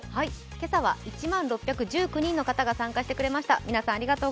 今朝は１万６１９人の方が参加してくださいました。